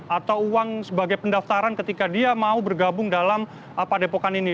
atau uang sebagai pendaftaran ketika dia mau bergabung dalam padepokan ini